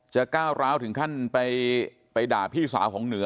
ก้าวร้าวถึงขั้นไปด่าพี่สาวของเหนือ